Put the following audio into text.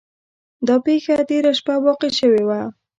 دا پیښه تیره شپه واقع شوې وه.